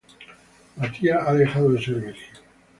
Matías ha dejado de ser virgen.